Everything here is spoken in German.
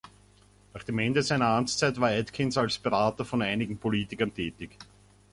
Nach dem Ende seiner Amtszeit war Adkins als Berater von einigen Politikern tätig.